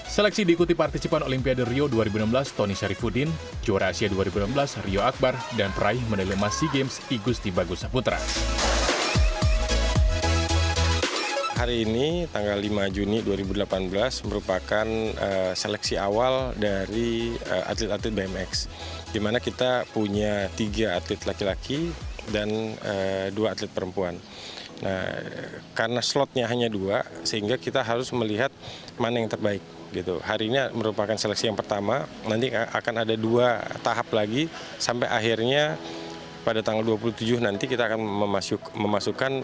seleksi diikuti partisipan olimpiade rio dua ribu enam belas tony sharifudin juara asia dua ribu enam belas rio akbar dan peraih menerima sea games igusti bagusaputra